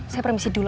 saya permisi dulu